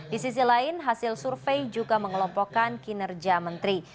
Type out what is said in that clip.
di sisi lain hasil survei juga mengelompokkan kinerja menteri